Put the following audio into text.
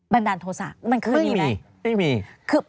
บังดารโทษามันคือมีไร